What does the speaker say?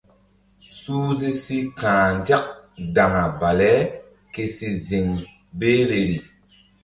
Suhze si ka̧h nzak daŋa bale ke si ziŋ behleri.